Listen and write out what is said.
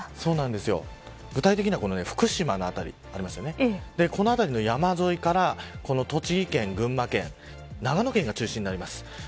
具体的には、福島の辺りこの辺りの山沿いから栃木県、群馬県長野県が中心になります。